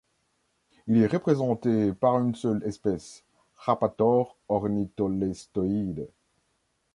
Il est représenté par une seule espèce, Rapator ornitholestoides.